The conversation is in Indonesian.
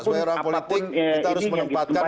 sebagai orang politik kita harus menempatkan